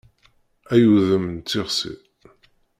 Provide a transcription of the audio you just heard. Ay udem n tixsi!